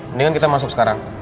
mendingan kita masuk sekarang